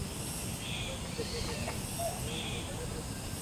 মঙ্গবার রাতে কথা-কাটাকাটির একপর্যায়ে সাথীর গলা চেপে ধরলে তাঁর মৃত্যু হয়।